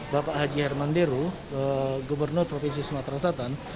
bapak haji hermanderu gubernur provinsi sumatera selatan